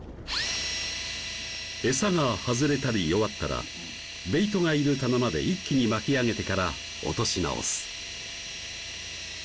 エサが外れたり弱ったらベイトがいるタナまで一気に巻き上げてから落とし直す